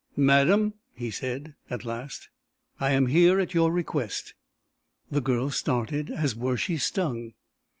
"Madam," he said at last, "I am here at your request." The girl started as were she stung.